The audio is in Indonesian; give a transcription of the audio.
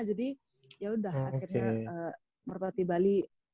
jadi yaudah akhirnya merpati bali